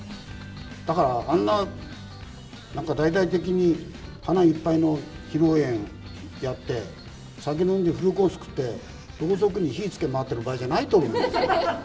だからあんな大々的に、花いっぱいの披露宴やって、酒飲んでフルコース食って、ろうそくに火をつけ回ってる場合じゃないと思うんです。